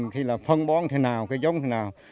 khi là phân bón thế nào cái giống thế nào